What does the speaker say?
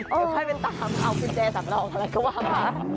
เดี๋ยวใครเป็นตามเอาคุณแจร์สำนองอะไรก็วางมา